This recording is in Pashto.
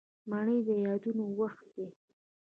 منی د یادونو وخت دی